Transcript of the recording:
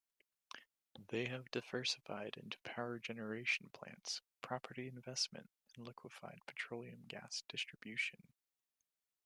They have diversified into power generation plants, property investment, and liquefied petroleum gas distribution.